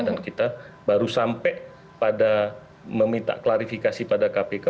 dan kita baru sampai pada meminta klarifikasi pada kpk